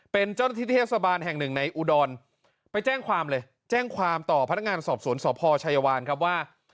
เป็นเจ้าหน้าที่เทศบาลแห่งหนึ่งในอุดรไปแจ้งความเลยแจ้งความต่อพนักงานสอบสวนสพชัยวานครับว่า